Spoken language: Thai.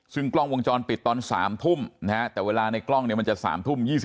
ซึ่งกล้องวงจรปิดตอน๓ทุ่มนะฮะแต่เวลาในกล้องเนี่ยมันจะ๓ทุ่ม๒๕